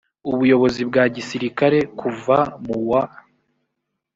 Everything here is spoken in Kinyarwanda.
ubuyobozi bwa gisirikare kuva mu wa